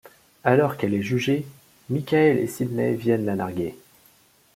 Alors qu'elle est jugée, Michael et Sidney viennent la narguer.